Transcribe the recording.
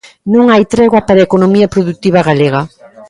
Non hai tregua para a economía produtiva galega.